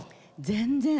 全然。